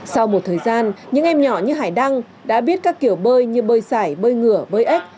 sau một thời gian những em nhỏ như hải đăng đã biết các kiểu bơi như bơi giải bơi ngửa bơi ếch